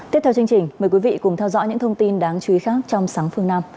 tiếp theo chương trình mời quý vị cùng theo dõi những thông tin đáng chú ý khác trong sáng phương nam